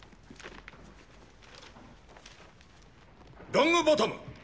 ロングボトム！